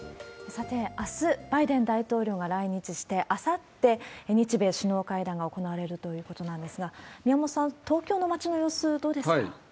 さて、あす、バイデン大統領が来日して、あさって、日米首脳会談が行われるということなんですが、宮本さん、東京の街の様子、どうですか？